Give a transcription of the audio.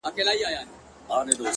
تاسو په درد مه كوئ-